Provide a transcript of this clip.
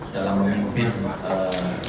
dalam memimpin kota bandung